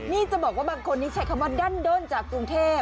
นี่จะบอกว่าบางคนนี้ใช้คำว่าดั้นด้นจากกรุงเทพ